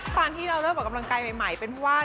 ตอนที่เราเริ่มออกกำลังกายใหม่เป็นเพราะว่า